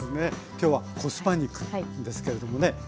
今日は「コスパ肉」ですけれどもね。